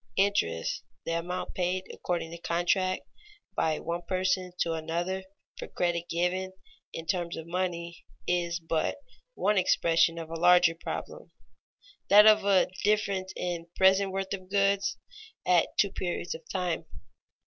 _Interest, the amount paid according to contract by one person to another for credit given in terms of money, is but one expression of a larger problem, that of the difference in present worth of goods at two periods of time.